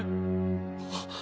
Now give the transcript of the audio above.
あっ。